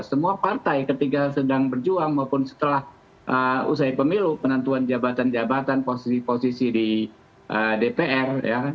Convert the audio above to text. semua partai ketika sedang berjuang maupun setelah usai pemilu penentuan jabatan jabatan posisi posisi di dpr